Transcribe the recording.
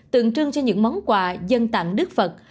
tượng trưng cho những món quà dân tặng đức phật